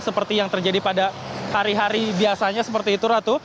seperti yang terjadi pada hari hari biasanya seperti itu ratu